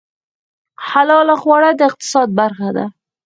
حلال خواړه د اقتصاد برخه ده